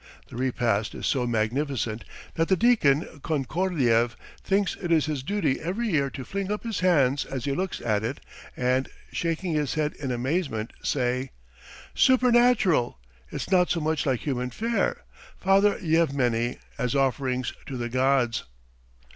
The repast is so magnificent that the deacon Konkordiev thinks it his duty every year to fling up his hands as he looks at it and, shaking his head in amazement, say: "Supernatural! It's not so much like human fare, Father Yevmeny, as offerings to the gods."